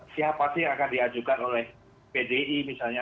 siapa sih yang akan diajukan oleh pdi misalnya